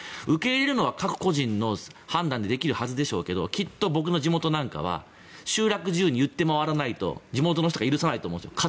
受け入れるのは各個人の判断でできるはずでしょうけれどきっと僕の地元なんかは集落中に言って回らないと地元の人が許さないと思うんです。